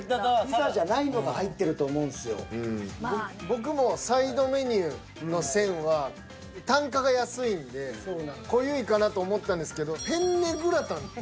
僕もサイドメニューの線は単価が安いんで濃ゆいかなと思ったんですけどペンネグラタンって。